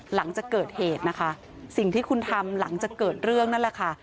หลังจากเกิดเหตุนะคะสิ่งที่คุณทำหลังจากเกิดเรื่องนั่นแหละค่ะ